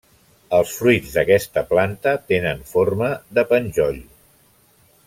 Els fruits d'aquesta planta tenen forma de penjoll.